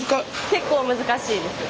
結構難しいです。